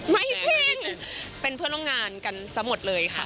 ไม่จริงเป็นเพื่อนลงงานกันสมดเลยค่ะ